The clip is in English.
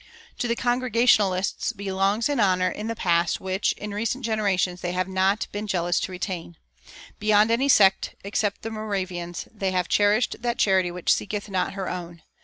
To the Congregationalists belongs an honor in the past which, in recent generations, they have not been jealous to retain. Beyond any sect, except the Moravians, they have cherished that charity which seeketh not her own.